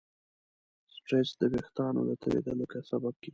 سټرېس د وېښتیانو د تویېدلو سبب کېږي.